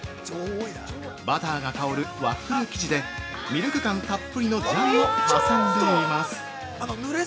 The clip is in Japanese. バターが香るワッフル生地でミルク感たっぷりのジャムを挟んでいます。